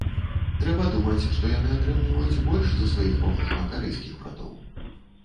Трэба думаць, што яны атрымліваюць больш за сваіх паўночнакарэйскіх братоў.